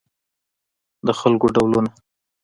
د خلکو ډولونه